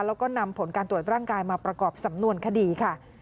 แล้วก็นำผลการตรวจร่างกายมาประกอบสำนวนคดีค่ะ